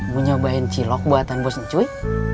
mau nyobain cilok buatan bos cui